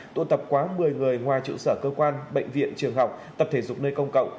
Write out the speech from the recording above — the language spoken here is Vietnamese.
tụ tập quá một mươi người ngoài trụ sở cơ quan bệnh viện trường học tập thể dục nơi công cộng